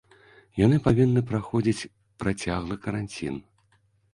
Яны павінны праходзіць працяглы каранцін.